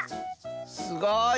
すごい！